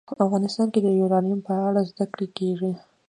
افغانستان کې د یورانیم په اړه زده کړه کېږي.